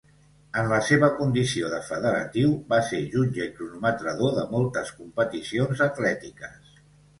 En la seva condició de federatiu, va ser jutge i cronometrador de moltes competicions atlètiques.